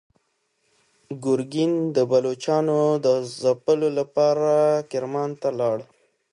ګورګین د بلوڅانو د ځپلو لپاره کرمان ته لاړ.